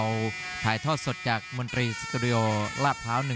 กับรายการไทยรัฐมวยไทยไฟเตอร์ครับ